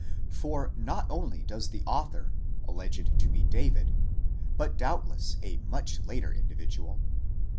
For not only does the author, alleged to be David, but doubtless a much later indi vidual